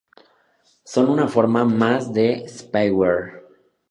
Son una forma más de "spyware".